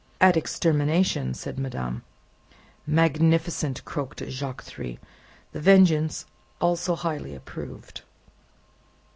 "At extermination," said madame. "Magnificent!" croaked Jacques Three. The Vengeance, also, highly approved.